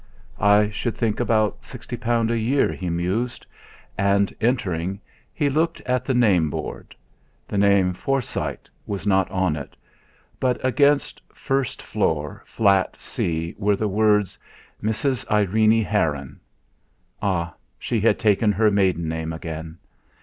'I should think about sixty pound a year,' he mused; and entering, he looked at the name board. The name 'Forsyte' was not on it, but against 'First Floor, Flat C' were the words: 'Mrs. Irene Heron.' Ah! She had taken her maiden name again!